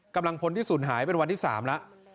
กำลังพลที่สูญหายเป็นวันที่๓แล้ว